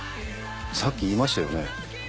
さっき言いましたよね。